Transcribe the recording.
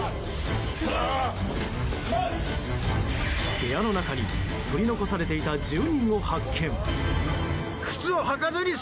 部屋の中に取り残されていた住人を発見。